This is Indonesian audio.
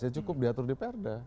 ya cukup diatur diperda